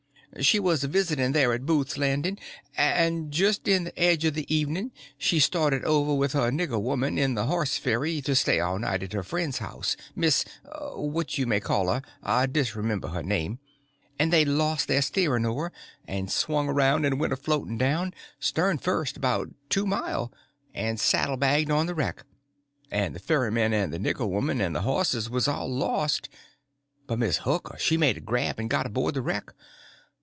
"She was a visiting there at Booth's Landing, and just in the edge of the evening she started over with her nigger woman in the horse ferry to stay all night at her friend's house, Miss What you may call her I disremember her name—and they lost their steering oar, and swung around and went a floating down, stern first, about two mile, and saddle baggsed on the wreck, and the ferryman and the nigger woman and the horses was all lost, but Miss Hooker she made a grab and got aboard the wreck.